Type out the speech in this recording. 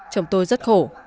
chồng tôi rất khổ